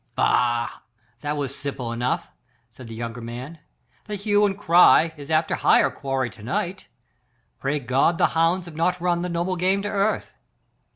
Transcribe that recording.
"Bah! that was simple enough," said the younger man, "the hue and cry is after higher quarry to night. Pray God the hounds have not run the noble game to earth."